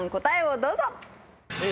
答えをどうぞ。